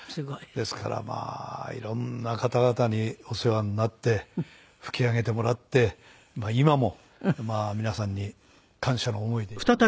ですからまあいろんな方々にお世話になって吹き上げてもらって今も皆さんに感謝の思いでいっぱいです。